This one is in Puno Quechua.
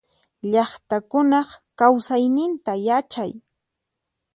Llaqtakunaq kausayninta yachay.